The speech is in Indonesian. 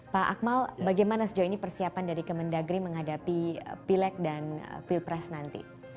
pak akmal bagaimana sejauh ini persiapan dari kemendagri menghadapi pilek dan pilpres nanti